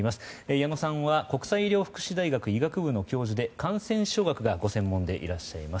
矢野さんは国際医療福祉大学医学部の教授で感染症学がご専門でいらっしゃいます。